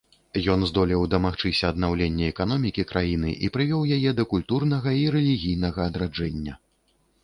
Ён здолеў дамагчыся аднаўлення эканомікі краіны і прывёў яе да культурнага і рэлігійнага адраджэння.